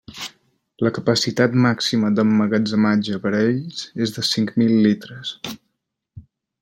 La capacitat màxima d'emmagatzematge per a ells és de cinc mil litres.